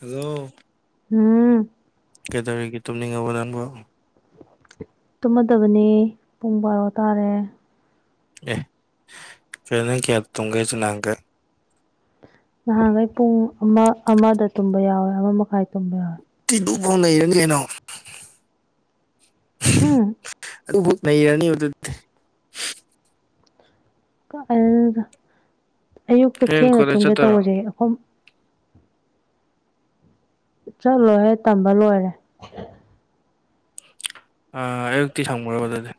ꯑꯂꯣ ꯎꯝ ꯀꯦꯇꯔꯤꯒꯤ ꯇꯨꯝꯅꯤꯡꯉꯕ ꯅꯪꯀꯣ ꯇꯨꯝꯃꯗꯕꯅꯦ ꯄꯨꯡ ꯕꯥꯔꯣ ꯇꯥꯔꯦ ꯑꯦ ꯀꯩꯅꯣꯅꯪ ꯀꯌꯥ ꯇꯨꯡꯒꯦꯁꯤ ꯅꯍꯥꯟꯒꯩ ꯅꯍꯥꯟꯈꯩ ꯄꯨꯡ ꯑꯃ ꯑꯃꯗ ꯇꯨꯝꯕ ꯌꯥꯎꯋꯦ ꯑꯃ ꯃꯈꯥꯏ ꯇꯨꯝꯕ ꯌꯥꯎꯋꯦ ꯇꯗꯨꯨ ꯐꯩ ꯔꯪꯖꯦꯟꯅꯤꯅꯣ ꯎꯝ ꯑꯗꯨꯕꯨꯠ ꯅꯩꯔꯅꯤ ꯑꯗꯨꯗꯤ ꯀꯥꯏꯗꯩꯅꯣꯗ ꯑꯌꯨꯛꯇ ꯍꯌꯦꯡ ꯊꯦꯡꯅ ꯀꯣꯂꯦꯖ ꯇꯨꯝꯒꯦ ꯆꯠꯇꯣꯏꯔꯣ ꯇꯧꯕꯁꯦ ꯑꯈꯣꯏ ꯆꯠꯂꯣꯍꯦ ꯇꯝꯕ ꯂꯣꯏꯔꯦ ꯑꯌꯨꯛꯇꯤ ꯁꯪꯃꯨꯔꯕ ꯑꯗꯨꯗꯤ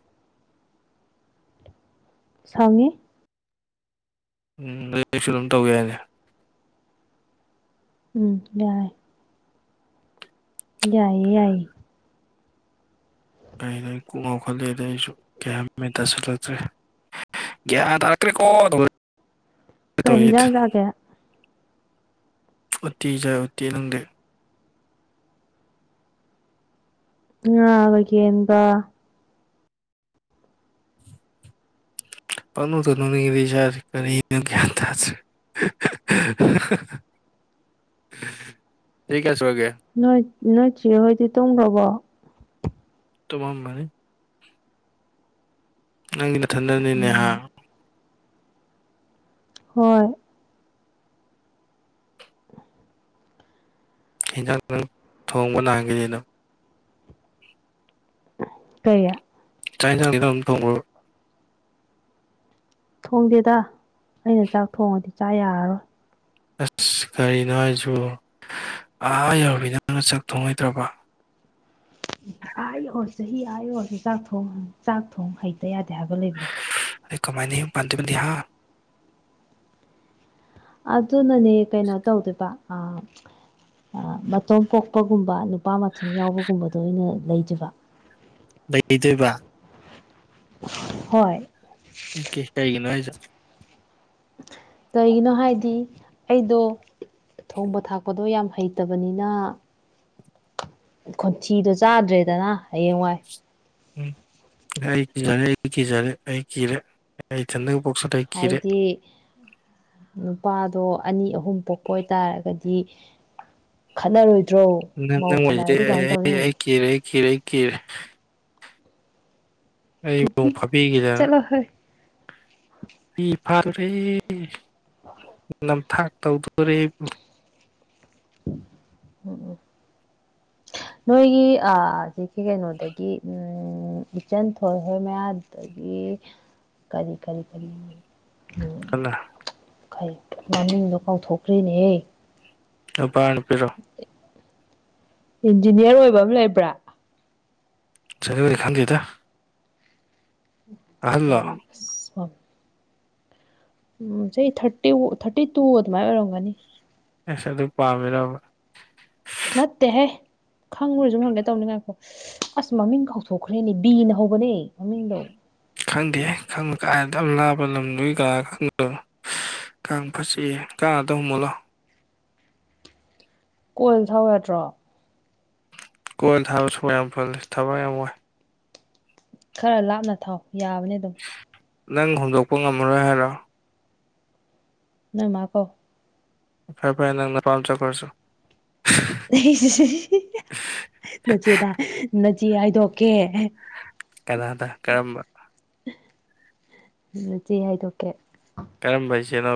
ꯁꯥꯎꯅꯤ ꯎꯝ ꯑꯗꯨ ꯑꯩꯁꯨ ꯑꯗꯨꯝ ꯇꯧꯒꯦ ꯍꯥꯏꯅꯦ ꯎꯝ ꯌꯥꯏ ꯌꯥꯏꯌꯦ ꯌꯥꯏ ꯀꯩꯔ ꯀꯨꯡ ꯈꯠꯂꯦꯗ ꯑꯩꯁꯨ ꯀꯌꯥꯃꯦ ꯇꯥꯁꯤꯜꯂꯛꯇ꯭ꯔꯦ ꯌꯥ ꯇꯔꯀꯔꯤ ꯀꯣ ꯀꯩ ꯍꯤꯟꯖꯥꯡ ꯖꯥꯒꯦ ꯎꯠꯇꯤ ꯆꯥꯏ ꯎꯠꯇꯤ ꯂꯪꯗꯤ ꯉꯥ ꯒꯦꯟꯒ ꯄꯡꯅꯣꯛꯇ ꯅꯣꯛꯅꯤꯡꯉꯦ ꯏꯁꯥꯖꯦ ꯀꯔꯤꯅꯣ ꯒ꯭ꯌꯥꯟ ꯊꯥꯗꯦ ꯆꯍꯤ ꯒ꯭ꯌꯥ ꯁꯨꯔꯒꯦ ꯅꯣꯏ ꯅꯣꯏꯠꯇ꯭ꯔꯤ ꯍꯣꯏꯗꯤ ꯇꯨꯝꯈ꯭ꯔꯕꯣ ꯇꯃꯝ ꯃꯅꯦ ꯅꯪꯒꯤ ꯅꯊꯟꯗꯅꯤꯅꯦ ꯍꯥ ꯎꯝ ꯍꯣꯏ [unintelligible] ꯍꯟꯖꯥꯥꯡ ꯅꯪ ꯊꯣꯡꯕ ꯅꯥꯍꯥꯟꯒꯩꯗꯤ ꯅꯪ ꯀꯌꯥ ꯆꯥꯏ ꯖꯥꯡꯗꯤ ꯅꯪ ꯑꯗꯨꯝ ꯊꯣꯡꯕ꯭ꯔꯕ ꯊꯣꯡꯗꯦꯗ ꯑꯩꯅ ꯆꯥꯛ ꯊꯣꯡꯉꯗꯤ ꯆꯥ ꯌꯥꯔꯔꯣꯏ ꯑꯁ ꯀꯔꯤꯅꯣ ꯍꯥꯏꯁꯨ ꯑꯥ ꯌꯧꯕꯤꯅꯪꯅ ꯆꯥꯛ ꯊꯣꯡꯍꯩꯇ꯭ꯔꯕ ꯑꯥ ꯌꯧꯔꯁꯨ ꯆꯍꯤ ꯑꯥ ꯑꯣꯏꯔꯁꯨ ꯆꯥꯛ ꯊꯣꯡ ꯆꯥꯛ ꯊꯣꯡ ꯍꯩꯇ ꯌꯥꯗꯦ ꯍꯥꯏꯕ ꯂꯩꯕ꯭ꯔꯣ ꯑꯩ ꯀꯃꯥꯏꯅ ꯌꯨꯝ ꯄꯥꯟꯗꯣꯏꯕꯗꯨꯗꯤ ꯍꯥꯥ ꯑꯗꯨꯅꯅꯦ ꯀꯩꯅꯣ ꯇꯧꯗꯣꯏꯕ ꯃꯇꯣꯝ ꯄꯣꯛꯄꯒꯨꯝꯕ ꯅꯨꯨꯄꯥ ꯃꯊꯟ ꯌꯥꯎꯕꯒꯨꯝꯕꯗꯣ ꯑꯣꯏꯅ ꯂꯩꯖꯕ ꯂꯩꯗꯣꯏꯕ ꯍꯣꯏ ꯍ ꯀꯦꯁ ꯇ ꯀꯩꯒꯤꯅꯣ ꯍꯥꯏꯁꯦ ꯀꯔꯤꯒꯤꯅꯣ ꯍꯥꯏꯗꯤ ꯑꯩꯗꯣ ꯊꯣꯡꯕ ꯊꯥꯛꯄꯗꯣ ꯌꯥꯝ ꯍꯩꯇꯕꯅꯤꯅ ꯈꯣꯟꯊꯤꯗꯣ ꯆꯥꯗ꯭ꯔꯦꯗꯅ ꯍꯌꯦꯡꯋꯥꯏ ꯎꯝ ꯑꯩ ꯀꯤꯖꯔꯦ ꯑꯩ ꯀꯤꯖꯔꯦ ꯑꯩ ꯀꯤꯔꯦ ꯑꯩ ꯊꯟꯗꯒ ꯄꯣꯛꯁꯤꯜꯂꯤ ꯍꯥꯏꯗꯤ ꯅꯨꯄꯥꯗꯣ ꯑꯅꯤ ꯑꯍꯨꯝ ꯄꯣꯛꯄ ꯑꯣꯏꯇꯥꯔꯒꯗꯤ ꯈꯠꯅꯔꯣꯏ ꯅꯪ ꯅꯪ ꯋꯥꯔꯤꯖꯤꯗꯤ ꯑꯩ ꯀꯤꯔꯦ ꯑꯩ ꯀꯤꯔꯦ ꯑꯩ ꯀꯤꯔꯦ ꯑꯩꯕꯨꯨꯡ ꯐꯥꯕꯤꯈꯤꯗ ꯆꯠꯂꯣꯍꯦ ꯐ ꯐꯥꯔꯨꯔꯦ ꯅꯝꯊꯥꯛ ꯇꯧꯗꯣꯔꯦꯑꯩꯕꯨ ꯎꯝ ꯎꯝ ꯅꯣꯏꯒꯤ ꯁꯤ ꯀꯩꯅꯣꯗꯒꯤ ꯎ ꯏꯆꯟ ꯊꯣꯏ ꯍꯣꯏ ꯃꯌꯥ ꯑꯗꯒꯤ ꯀꯔꯤ ꯀꯔꯤ ꯀꯔꯤ ꯜꯂ ꯀꯩ ꯃꯃꯤꯡꯗꯣ ꯀꯥꯎꯊꯣꯛꯈ꯭ꯔꯦꯅꯦꯍꯦ ꯅꯨꯄꯥꯔꯥ ꯅꯨꯄꯤꯔꯣ ꯏꯟꯖꯤꯅꯤꯌꯥꯔ ꯑꯣꯏꯕ ꯑꯝ ꯂꯩꯕ꯭ꯔꯥ ꯁꯦꯟꯗꯣꯏꯗꯤ ꯈꯟꯗꯦꯗ ꯑꯍꯜꯂꯣ [unintelligible] ꯎꯝ ꯆꯍꯤ ꯊꯥꯔꯇꯤ ꯊꯥꯔꯇꯤ ꯇꯨ ꯑꯗꯨꯃꯥꯏ ꯑꯣꯏꯔꯝꯒꯅꯤ ꯑꯦꯁ ꯑꯗꯨ ꯄꯥꯝꯃꯤꯔꯕ ꯅꯠꯇꯦꯍꯦ ꯈꯪꯕꯔꯥꯥ ꯁꯨꯝ ꯍꯪꯒꯦ ꯇꯧꯅꯤ ꯉꯥꯏꯈꯣ ꯑꯁ ꯃꯃꯤꯡ ꯀꯥꯎꯊꯣꯛꯈ꯭ꯔꯦꯅꯦ ꯕꯤꯅ ꯍꯧꯕꯅꯦ ꯃꯃꯤꯡꯗꯣ ꯈꯪꯗꯦꯍꯦ ꯈꯪꯕ ꯀꯥꯏ ꯑꯗꯥꯝ ꯂꯥꯞꯄ ꯂꯝꯗꯨꯒꯤ ꯀꯅꯥ ꯈꯪꯗꯣꯏꯅꯣ ꯀꯥꯡ ꯐꯠꯆꯤ ꯀꯥꯡ ꯑꯝꯇꯥ ꯍꯨꯝꯃꯨꯂꯥꯎ ꯀꯣꯏꯜ ꯊꯥꯎꯌꯥꯗ꯭ꯔꯣ ꯀꯣꯏꯟ ꯊꯥꯕ ꯁꯣꯔ ꯌꯥꯝ ꯐꯨꯜꯂꯤ ꯊꯕꯥꯛ ꯌꯥꯝ ꯋꯥꯏ ꯈꯔ ꯂꯥꯞꯅ ꯊꯥꯎ ꯌꯥꯕꯅꯦ ꯑꯗꯨꯝ ꯅꯪ ꯍꯨꯝꯗꯣꯛꯄ ꯉꯝꯃꯔꯣꯏ ꯍꯥꯏꯔꯣ ꯅꯣꯏꯃꯥ ꯀꯧ ꯐꯔꯦ ꯐꯔꯦ ꯅꯪ ꯅꯄꯥꯝ ꯆꯠꯈ꯭ꯔꯣ ꯆꯣ ꯅꯆꯦꯗ ꯅꯆꯦ ꯍꯥꯏꯗꯣꯛꯀꯦ ꯀꯅꯥꯗ ꯀꯔꯝꯕ ꯅꯆꯦ ꯍꯥꯏꯗꯣꯛꯀꯦ ꯀꯔꯝꯕ ꯏꯆꯦꯅꯣ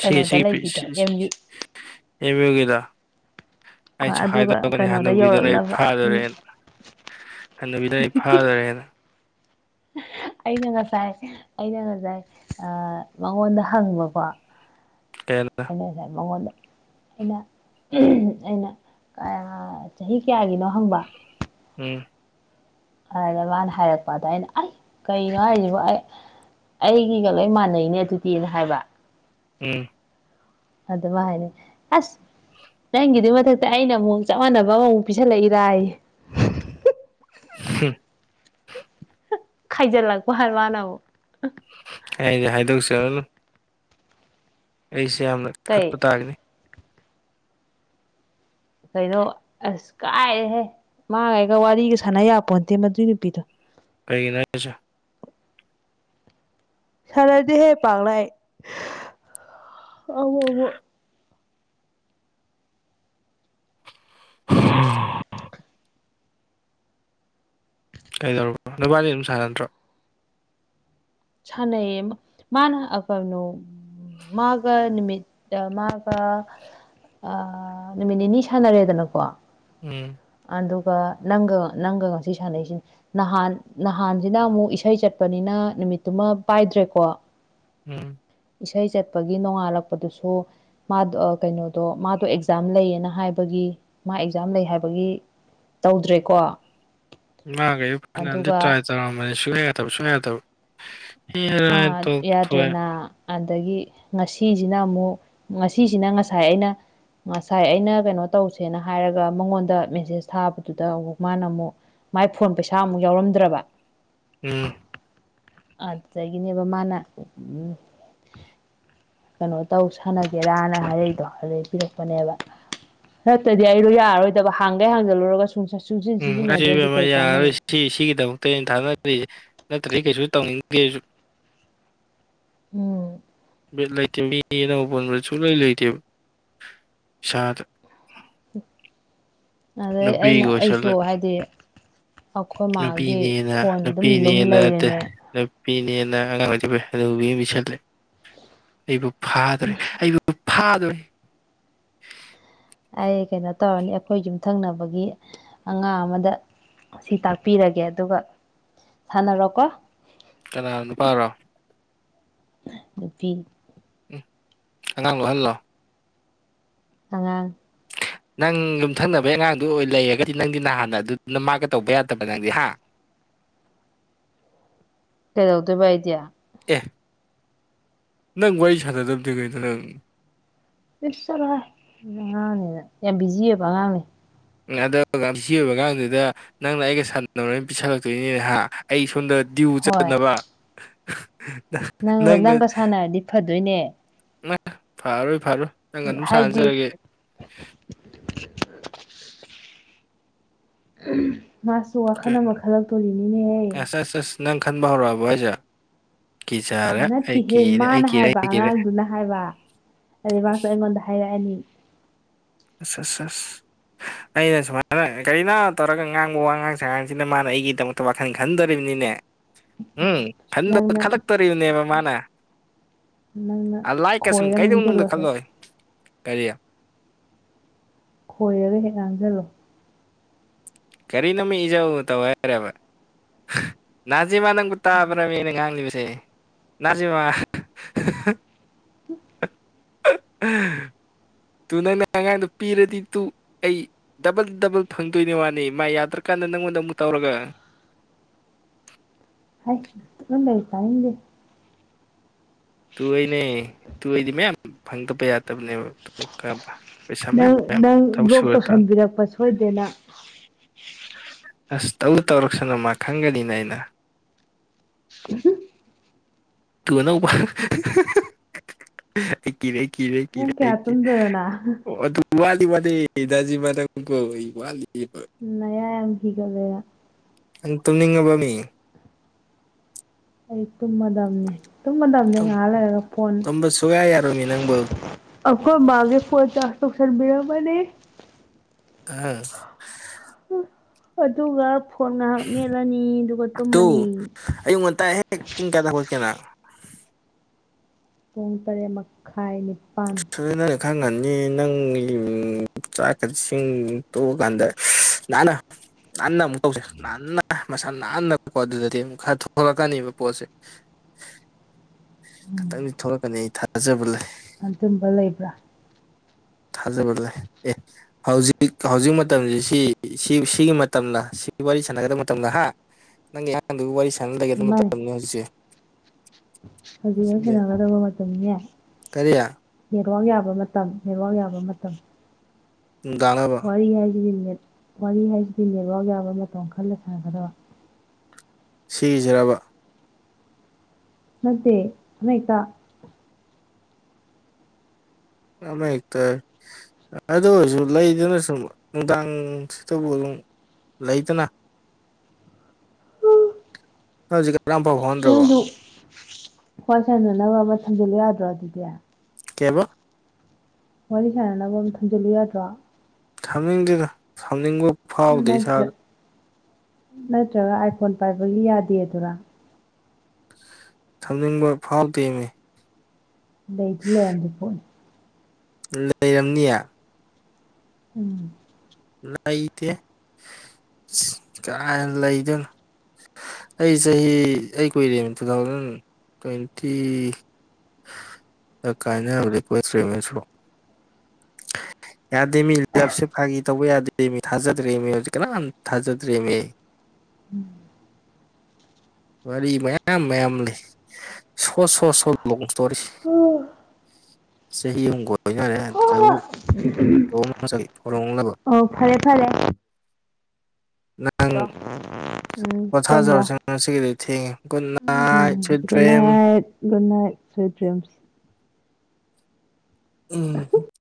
ꯁꯤꯒꯤ ꯁꯤꯒꯤ ꯂꯩꯕꯤꯗꯣ ꯑꯦꯝ ꯌꯨ [unintelligible] ꯑꯦꯃꯤꯌꯨ ꯒꯤꯗ ꯍꯣꯏ ꯑꯩꯁꯨ ꯑꯗꯨꯒ ꯍꯥꯏꯗꯣꯛꯀ ꯅꯤ ꯀꯩꯅꯣꯗ ꯍꯅꯨꯕꯤꯗꯨꯅ ꯑꯩ ꯌꯧꯔꯛꯅꯕ ꯎꯝ ꯐꯥꯗꯣꯔꯦꯅ ꯍꯅꯨꯕꯤꯅꯥ ꯑꯩ ꯐꯥꯗꯣꯔꯦꯅ ꯑꯩꯅ ꯉꯁꯥꯏ ꯑꯩꯅ ꯉꯁꯥꯏ ꯑꯥ ꯃꯉꯣꯟꯗ ꯍꯪꯕꯀꯣ ꯀꯩꯅꯣꯗ ꯑꯩꯅ ꯉꯥꯁꯥꯏ ꯃꯉꯣꯟꯗꯥ ꯑꯩꯅ ꯎꯝ ꯑꯩꯅ ꯆꯍꯤ ꯀꯌꯥꯒꯤꯅꯣ ꯍꯪꯕ ꯎꯝ ꯑꯗꯨꯗ ꯃꯥꯅ ꯍꯥꯏꯔꯛꯄ ꯑꯗ ꯑꯩꯅ ꯑꯁ ꯀꯩꯅꯣ ꯍꯥꯌꯖꯤꯕꯣ ꯑꯩ ꯑꯩꯒꯤꯒ ꯂꯣꯏ ꯃꯥꯟꯅꯩꯅꯦ ꯑꯗꯨꯗꯤꯅ ꯍꯥꯏꯕ ꯎꯝ ꯑꯗ ꯃꯥꯅ ꯍꯥꯌꯅꯦ ꯑꯁ ꯅꯪꯒꯤꯗꯨ ꯃꯊꯛꯇ ꯑꯩꯅ ꯑꯃꯨꯛ ꯆꯞ ꯃꯥꯟꯅꯕ ꯑꯃꯃꯨꯛ ꯄꯤꯁꯜꯂꯛꯔꯥꯌꯦ [unintelligible] ꯈꯥꯏꯖꯜ ꯂꯛꯄ ꯍꯥꯏ ꯃꯥꯅ ꯑꯃꯨꯛ ꯑꯩꯗꯤ ꯍꯥꯏꯗꯣꯛꯆꯔꯨꯅꯨ ꯑꯩꯁꯦ ꯌꯥꯝꯅ ꯈꯠꯄ ꯀꯩ ꯇꯥꯒꯤꯅꯤ ꯀꯩꯅꯣ ꯑꯁ ꯀꯥꯏꯔꯦꯍꯦ ꯃꯥꯥꯒ ꯑꯩꯒ ꯋꯥꯔꯤꯒ ꯁꯥꯟꯅ ꯌꯥꯄꯣꯟꯇꯦ ꯃꯗꯨꯏ ꯅꯨꯄꯤꯗꯣ ꯀꯩꯒꯤꯅꯣ ꯍꯥꯏꯁꯦ ꯁꯥꯟꯅꯗꯦꯍꯦ ꯄꯥꯛꯅ ꯑꯩ ꯑꯃꯨꯛ ꯑꯃꯨꯛ [unintelligible] ꯀꯩꯗꯧꯔꯕ ꯅꯕꯥꯅꯤ ꯑꯗꯨꯝ ꯁꯥꯟꯅꯇ꯭ꯔꯣ ꯁꯥꯅꯩꯌꯦ ꯃꯥꯅ ꯑ ꯀꯅꯣ ꯃꯥꯒ ꯃꯤꯠꯇ ꯃꯥꯒ ꯑ ꯅꯨꯃꯤꯠ ꯅꯤꯅꯤ ꯁꯥꯟꯅꯔꯦꯗꯅꯀꯣ ꯎꯝ ꯑꯗꯨꯒ ꯅꯪꯒ ꯅꯪꯒ ꯉꯁꯤ ꯁꯥꯟꯅꯩꯁꯤꯅꯤ ꯅꯍꯥꯟ ꯅꯍꯥꯟꯖꯤꯅ ꯑꯃꯨꯛ ꯏꯁꯩ ꯆꯠꯄꯅꯤꯅ ꯅꯨꯃꯤꯠꯇꯨꯃ ꯄꯥꯏꯗ꯭ꯔꯦꯀꯣ ꯎꯝ ꯏꯁꯩ ꯆꯠꯄꯒꯤ ꯅꯣꯡꯉꯥꯜꯂꯛꯄꯗꯨꯁꯨ ꯃꯥꯗꯣ ꯀꯩꯅꯣꯗꯣ ꯃꯥꯗꯣ ꯑꯦꯛꯖꯥꯝ ꯂꯩꯌꯦꯅ ꯍꯥꯏꯕ ꯑꯗꯨꯒꯤ ꯃꯥ ꯑꯦꯛꯖꯥꯝ ꯂꯩ ꯍꯥꯏꯕꯒꯤ ꯇꯧꯗ꯭ꯔꯦꯀꯣ ꯏꯃꯥꯈꯩ ꯐꯅꯗꯤ ꯑꯗꯨꯒ ꯇ꯭ꯔꯥꯏ ꯇꯧꯔꯝꯕꯅꯤ ꯁꯨꯡꯌꯥ ꯌꯥꯗꯕ ꯁꯨꯡꯌꯥ ꯌꯥꯗꯕ ꯍ ꯍ ꯇꯣ ꯊꯑꯦ ꯌꯥꯗ꯭ꯔꯦꯅ ꯑꯗꯒꯤ ꯉꯁꯤꯁꯤꯅ ꯑꯃꯨꯛ ꯉꯁꯤꯁꯤꯅ ꯉꯁꯥꯏ ꯑꯩꯅ ꯉꯁꯥꯏ ꯑꯩꯅ ꯀꯩꯅꯣ ꯇꯧꯁꯦꯅ ꯍꯥꯏꯔꯒ ꯃꯉꯣꯟꯗ ꯃꯦꯁꯦꯁ ꯊꯥꯕꯗꯨꯗ ꯑꯃꯨꯛ ꯃꯥꯅ ꯑꯃꯨꯛ ꯃꯥꯏ ꯐꯣꯟ ꯄꯩꯁꯥ ꯑꯃꯨꯛ ꯌꯥꯎꯔꯝꯗ꯭ꯔꯕ ꯎꯝ ꯑꯗꯨꯗꯒꯤꯅꯦꯕ ꯃꯥꯅ ꯀꯩꯅꯣ ꯇꯧ ꯁꯥꯟꯅꯒꯦꯔꯅ ꯍꯥꯏꯔꯛꯗꯣ ꯑꯗꯨꯩ ꯄꯤꯔꯛꯄꯅꯦꯕ ꯅꯠꯇꯗꯤ ꯑꯩꯔꯣ ꯌꯥꯔꯔꯣꯏꯗꯕ ꯍꯥꯡꯒꯩ ꯍꯥꯡꯖꯜꯂꯨꯔꯒ ꯁꯨꯡꯆꯟ ꯎꯝ ꯑꯩꯁꯨ ꯁꯤꯖꯤꯟꯅꯗ꯭ꯔꯗꯤ ꯏꯕꯦꯝꯃ ꯀꯩ ꯀꯥꯟꯅꯩ ꯌꯥꯔꯔꯣꯏ ꯁꯤ ꯁꯤꯒꯤꯗꯃꯛꯇ ꯑꯩꯅ ꯊꯥꯅꯔꯤꯁꯦ ꯅꯠꯇ꯭ꯔꯗꯤ ꯀꯩꯁꯨ ꯇꯧꯅꯤꯡꯒꯦ ꯎꯝ ꯕꯦꯗ ꯂꯩꯇꯦ ꯃꯤ ꯑꯅꯧ ꯄꯥꯟꯕꯟꯕ ꯁꯨꯛꯂꯩ ꯂꯩꯇꯦꯕ ꯏꯁꯥꯗ ꯑꯗꯩ ꯑꯩꯅ ꯅꯨꯄꯤꯒ ꯑꯩꯁꯨ ꯑꯣꯏꯁꯜꯂ ꯍꯥꯏꯗꯤ ꯑꯩꯈꯣꯏ ꯃꯥꯒꯤ ꯅꯨꯄꯤꯅꯦꯅ ꯐꯣꯟ ꯑꯗꯨꯝ ꯂꯨꯝ ꯂꯩꯔꯤꯅꯦ ꯃꯤꯅꯦꯅ ꯑꯉꯥꯡ ꯑꯣꯏꯖꯕꯕꯤ ꯃꯤꯁꯤꯜꯂꯦ ꯑꯩꯕꯨ ꯐꯥꯗ꯭ꯔꯦ ꯑꯩꯕꯨ ꯑꯗꯨ ꯐꯥꯗꯣꯔꯦ ꯑꯩ ꯀꯩꯅꯣ ꯇꯧꯔꯅꯤ ꯑꯩꯈꯣꯏ ꯌꯨꯝꯊꯪꯅꯕꯒꯤ ꯑꯉꯥꯡ ꯑꯃꯗ ꯁꯤ ꯇꯥꯛꯄꯤꯔꯒꯦ ꯑꯗꯨꯒ ꯁꯥꯟꯅꯔꯣꯀꯣ ꯀꯅꯥ ꯅꯨꯄꯥꯔꯣ ꯅꯨꯄꯤ ꯎꯝ ꯑꯉꯥꯡ ꯂꯨꯍꯜꯂꯣ ꯑꯉꯥꯡ ꯅꯪ ꯌꯨꯝꯊꯪꯅꯕꯩ ꯑꯉꯥꯡꯗꯨ ꯑꯣꯏ ꯂꯩꯔꯒꯗꯤ ꯅꯪꯗꯤ ꯅꯍꯥꯟꯅ ꯑꯗꯨꯗꯨꯅ ꯃꯥꯒ ꯇꯧꯕ ꯌꯥꯗꯕ ꯅꯪꯗꯤ ꯍꯥ [unintelligible] ꯀꯩꯗꯧꯗꯣꯏꯕꯕꯥꯏꯗ꯭ꯌꯥ ꯑꯦ ꯅꯪ ꯋꯥꯔꯤ ꯁꯥꯟꯅꯗꯕꯗꯤ ꯀꯩꯅꯣ ꯅꯪ ꯐ ꯆꯂ ꯑꯅꯦ ꯌꯥꯝ ꯕꯤꯖꯤꯕꯉꯅꯦ ꯑꯗꯣ ꯁꯤ ꯑꯣꯏꯕꯀꯗꯨꯗ ꯅꯪꯅ ꯑꯩꯒ ꯁꯥꯟꯣꯏ ꯄꯤꯁꯜꯂꯛꯇꯣꯏꯅꯤꯅꯦ ꯍꯥ ꯑꯩ ꯁꯣꯝꯗ ꯗ꯭ꯌꯨ ꯆꯠꯅꯕ ꯅꯪ ꯅꯪꯒ ꯁꯥꯟꯅꯔꯗꯤ ꯐꯗꯣꯏꯅꯦ ꯐꯔꯣꯏ ꯐꯔꯣꯏ ꯅꯪ ꯑꯗꯨꯝ ꯍꯥꯏꯗꯤ ꯁꯥꯟꯅꯖꯔꯒꯦ ꯃꯥꯁꯨ ꯋꯥ ꯈꯅ ꯃꯈ ꯈꯜꯂꯛꯇꯣꯔꯤꯅꯤꯅꯦꯍ ꯑꯁ ꯑꯁ ꯑꯁ ꯅꯪ ꯈꯟꯕ ꯍꯧꯔꯛꯑꯕ ꯑꯩꯁꯦ ꯅꯠꯇꯦꯍꯦ ꯀꯤꯔꯦ ꯑꯩ ꯃꯥꯅ ꯀꯤꯔꯦ ꯍꯥꯏꯕ ꯑꯩ ꯀꯤꯔꯦ ꯑꯉꯥꯡꯗꯨꯅ ꯍꯥꯏꯕ ꯑꯗꯩ ꯃꯥꯁꯨ ꯑꯩꯉꯣꯟꯗ ꯍꯥꯏꯔꯛꯑꯅꯤ ꯑ ꯑꯩꯅ ꯁꯨꯃꯥꯏꯅ ꯀꯔꯤꯅ ꯇꯧꯔꯒ ꯉꯥꯡꯕ ꯋꯥ ꯉꯥꯡ ꯁꯉꯥꯡꯁꯤꯅ ꯃꯥꯅ ꯑꯩꯒꯤꯗꯃꯛꯇ ꯋꯥꯈꯜ ꯈꯟꯗꯔꯤꯕꯅꯤꯅꯦ ꯎꯝ ꯅꯪꯅ ꯈꯜꯂꯛꯇꯣꯔꯤꯕꯅꯦꯕ ꯃꯥꯅ ꯅꯪꯅ ꯑ ꯂꯥꯏ ꯀꯁꯨꯝ ꯈꯣꯏꯔ ꯀꯩꯗꯧ ꯉꯥꯡꯁꯤꯜꯂꯣ ꯃꯅꯨꯡꯗꯅꯨꯡ ꯍꯦꯛ ꯈꯜꯂꯣꯏ ꯀꯔꯤ ꯈꯣꯏꯔꯒ ꯍꯦꯛ ꯉꯥꯡꯁꯤꯜꯂꯣ ꯀꯔꯤ ꯅꯃꯤ ꯏꯖꯥꯎ ꯇ ꯍꯔꯦꯕ ꯅꯥꯖꯤꯃꯥ ꯅꯪꯕꯨ ꯇꯥꯕ꯭ꯔꯃꯤꯅ ꯉꯥꯡꯂꯤꯕꯁꯦ ꯅꯥꯖꯤꯃꯥ ꯇꯨ ꯅꯪꯅ ꯑꯉꯥꯡꯗ ꯄꯤꯔꯗꯤ ꯇꯨ ꯑꯩ ꯗꯕꯜ ꯗꯕꯜ ꯐꯪꯗꯣꯏꯅꯦ ꯋꯥꯅꯤ ꯃꯥ ꯌꯥꯗ꯭ꯔꯀꯥꯟꯗ ꯅꯪꯉꯣꯟꯗ ꯑꯃꯨꯛ ꯇꯧꯔꯒ ꯍꯥꯏ ꯇꯨꯃꯤꯟ ꯂꯩꯌꯨ ꯇꯥꯅꯤꯡꯗꯦ꯫ ꯇꯨꯏꯅꯦ ꯇꯨ ꯑꯩꯗꯤ ꯃꯌꯥꯝ ꯐꯪꯗꯕ ꯌꯥꯗꯕꯅꯦꯕ ꯄꯩꯁꯥ ꯅꯪ ꯃꯌꯥꯝ ꯃꯌꯥꯝ ꯅꯪ ꯊꯕꯛ ꯕꯂꯣꯛ ꯁꯨꯔ ꯇꯥ ꯇꯧꯁꯟꯕꯤꯔꯛꯄ ꯁꯣꯏꯗꯅ꯫ ꯑꯁ ꯇꯧ ꯇꯧꯔꯛꯁꯅꯨ ꯃꯥ ꯈꯪꯒꯅꯤꯅ ꯑꯩꯅ꯫ ꯎꯝ ꯇꯨ ꯑꯅꯧꯕ ꯑꯩ ꯀꯤꯔꯦ ꯀꯤꯔꯦ ꯄꯨꯡ ꯀꯌꯥ ꯀꯤꯔꯦ ꯇꯨꯝꯗꯣꯏꯅꯣ ꯅꯪ ꯑꯗꯨ ꯋꯥꯂꯤ ꯋꯂꯤꯕ ꯅꯖꯤꯃꯥ ꯅꯪꯕꯨ ꯑꯩ ꯋꯥꯠꯂꯤꯕ꯫ ꯅꯌꯥ ꯌꯥꯝꯝ ꯍꯤꯒꯂꯦꯕ ꯅꯪ ꯇꯨꯝꯅꯤꯡꯉꯕꯃꯤ ꯑꯩ ꯇꯨꯝꯃꯗꯅꯤ ꯇꯨꯝꯃꯗꯅꯦ ꯉꯥꯏꯍꯥꯛ ꯂꯩꯔꯒ ꯐꯣꯟ ꯇꯨꯝꯕ ꯁꯨꯡꯌꯥ ꯌꯥꯔꯣꯏ ꯃꯤ ꯅꯪꯕꯨ ꯑꯩꯈꯣꯏ ꯃꯥꯒꯦ ꯄꯣ ꯆꯥꯁ ꯇꯣꯛꯁꯅꯕꯤꯔꯕꯅꯦ꯫ ꯎꯝ ꯑꯗꯨꯒ ꯐꯣꯟ ꯉꯥꯏꯍꯥꯛ ꯃꯦꯠꯂꯅꯤ ꯑꯗꯨꯨ ꯇꯨꯝꯃꯅꯤ ꯑꯌꯨꯛ ꯉꯟꯇꯥ ꯍꯦꯛ ꯄꯨꯡ ꯀꯌꯥꯗ ꯍꯧꯒꯠꯀꯦ ꯅꯪ ꯄꯨꯡ ꯇꯔꯦꯠ ꯃꯈꯥꯏꯅꯤ꯫ ꯏꯁ ꯅꯪ ꯈꯪꯅꯤ ꯅꯪꯂꯤ ꯆꯥꯛꯀꯁꯤꯡ ꯇꯣꯛꯑ ꯀꯥꯟꯗ ꯅꯥꯟꯅ ꯅꯥꯟꯅ ꯑꯃꯨꯛ ꯇꯧꯁꯦ ꯅꯥꯟꯅ ꯃꯁꯥ ꯅꯥꯟꯅꯀꯣ ꯑꯗꯨꯗꯗꯤ ꯑꯃꯨꯛ ꯈꯔ ꯊꯣꯛꯂꯛꯀꯅꯤꯕ ꯄꯣꯠꯁꯦ꯫ ꯈꯤꯇꯪꯗꯤ ꯊꯣꯛꯂꯛꯀꯅꯤ ꯑꯩ ꯊꯥꯖꯕ ꯂꯩ꯫ ꯑꯗꯨꯝꯕ ꯂꯩꯕ꯭ꯔꯥ꯫ ꯊꯖꯕꯂꯦ ꯑꯦ ꯍꯧꯖꯤꯛ ꯍꯧꯖꯤꯛ ꯃꯇꯝꯁꯤ ꯁꯤ ꯁꯤꯒꯤ ꯃꯇꯝꯅ ꯁꯤꯒꯤ ꯋꯥꯔꯤ ꯁꯥꯟꯅꯒꯗꯕ ꯃꯇꯝꯂ ꯍꯥ ꯅꯪꯒꯤ ꯑꯉꯥꯡ ꯋꯥꯔꯤ ꯁꯥꯟ ꯂꯩꯒꯦ ꯑꯗꯨ ꯍꯧꯖꯤꯛ ꯍꯧꯖꯤꯛꯅ ꯁꯦꯡꯟꯅꯒꯗꯕ ꯃꯇꯝꯅꯦ ꯀꯔꯤ ꯅꯦꯠꯋꯥꯛ ꯌꯥꯕ ꯃꯇꯝ ꯅꯦꯠꯋꯥꯛ ꯌꯥꯕ ꯃꯇꯝ꯫ ꯅꯨꯡꯗꯥꯡꯂꯕ ꯋꯥꯔꯤ ꯍꯥꯏꯁꯤꯗꯤ ꯅꯦꯠ ꯋꯥꯔꯤ ꯍꯥꯏꯁꯤꯗꯤ ꯅꯦꯠꯋꯥꯛ ꯌꯥꯕ ꯃꯇꯝ ꯈꯔꯅ ꯁꯥꯥꯟꯒꯗꯕ ꯁꯤꯖꯔꯕ ꯅꯠꯇꯦ ꯑꯃꯍꯦꯛꯇ ꯑꯃ ꯍꯦꯛꯇ ꯑꯗꯨ ꯑꯣꯏꯔꯁꯨ ꯂꯩꯗꯨꯅ ꯁꯨꯝ ꯅꯨꯡꯗꯥꯡꯁꯤꯗꯕꯨ ꯑꯗꯨꯝ ꯂꯩꯇꯅ ꯍꯧꯖꯤ ꯅꯁꯨ ꯈ꯭ꯋꯥꯏ ꯁꯟꯅꯅꯕ ꯃꯊꯗ ꯌꯥꯗ꯭ꯔꯣ ꯑꯗꯨꯗꯤ ꯀꯩꯕ ꯋꯥꯔꯤ ꯁꯥꯟꯅꯅꯕ ꯑꯃꯝ ꯊꯝꯖꯤꯜꯂꯨ ꯌꯥꯗ꯭ꯔꯣ꯫ ꯊꯝꯅꯤꯡꯗꯦꯗ ꯊꯝꯅꯤꯡꯕ ꯎꯝ ꯐꯥꯎꯗꯦ ꯅꯠꯇ꯭ꯔ ꯏꯁꯥꯗ ꯅꯠꯇ꯭ꯔꯒ ꯑꯥꯏꯐꯣꯟ ꯄꯥꯏꯕꯒꯤ ꯌꯥꯗꯦ ꯑꯗꯨꯔꯥ꯫ ꯊꯝꯅꯤꯡꯕ ꯐꯥꯎ ꯗꯦꯃꯤ ꯂꯩꯗꯤ ꯂꯩꯔꯝꯗꯤ ꯄꯣꯠꯅꯤ ꯂꯩꯔꯝꯅꯤꯌꯦ ꯎꯝ ꯂꯩꯇꯦ ꯀꯥꯏꯔꯩ ꯂꯩꯗꯣꯏꯅꯣ ꯑꯩ ꯆꯍꯤ ꯑꯩ ꯀꯨꯏꯔ ꯇꯨ ꯊꯥꯎꯖꯟ ꯇ꯭ꯋꯦꯟꯇꯤ ꯀꯥꯏꯅ [unintelligible] ꯌꯥꯗꯦꯃꯤ ꯏꯂꯞꯁꯦ ꯐꯥꯒꯤ ꯇꯧꯕ ꯌꯥꯗꯦ ꯃꯤ ꯊꯥꯖꯗ꯭ꯔꯔꯤ ꯃꯤ ꯍꯧꯖꯤꯛ ꯀꯅꯥ ꯊꯥꯖꯗ꯭ꯔꯤ ꯃꯤ ꯋꯥꯔꯤ ꯃꯌꯥꯝ ꯃꯌꯥꯝ ꯂꯩ ꯁꯣ ꯁꯣ ꯁꯣ ꯂꯣꯡ ꯏꯁꯇꯣꯔꯤ ꯆꯍꯤ ꯑꯃꯨꯛ ꯀꯣꯢꯅꯔꯦ ꯑꯗꯨꯗꯕꯨ ꯍꯨꯟꯗꯣꯛꯑꯃꯥꯝ ꯆꯥꯠꯈꯤ ꯍꯣꯏꯔꯣꯡꯂꯕ ꯑꯣ ꯐꯔꯦ ꯐꯔꯦ ꯅꯪ ꯎꯝꯇꯃ ꯄꯣꯊꯥꯖꯔꯁꯤ ꯉꯁꯤꯒꯤꯗꯤ ꯊꯦꯡꯉꯦ ꯒꯨꯗ ꯅꯥꯏꯠ ꯁ꯭ꯋꯤꯠ ꯗ꯭ꯔꯤꯝ ꯏꯅꯥꯏ ꯨꯗ ꯏꯠ ꯁ꯭ꯤ꯭ꯔꯤꯝꯁ ꯎꯝ